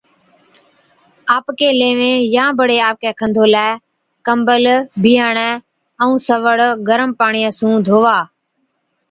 آپڪين ليوين يان بڙي آپڪَي کنڌولَي، ڪمبل، بِيهاڻَي ائُون سَوڙ گرم پاڻِيان سُون ڌووا۔